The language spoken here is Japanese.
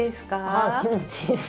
あ気持ちいいです。